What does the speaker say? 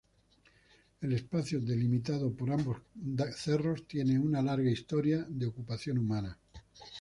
El espacio delimitado por ambos cerros tiene una larga historia de ocupación humana.